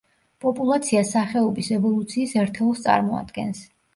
პოპულაცია სახეობის ევოლუციის ერთეულს წარმოადგენს.